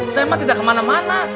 saya emang tidak kemana mana